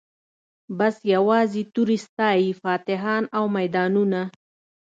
بس یوازي توري ستايی فاتحان او میدانونه